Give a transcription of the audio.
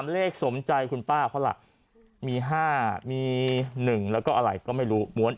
เลขสมใจคุณป้าเขาล่ะมี๕มี๑แล้วก็อะไรก็ไม่รู้ม้วน